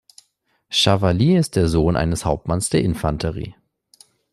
Chavalit ist der Sohn eines Hauptmanns der Infanterie.